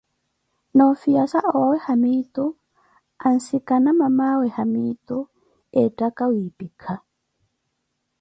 Noofiyaza owaawe haamitu ansikana mamaawe haamitu eettaka wiipika.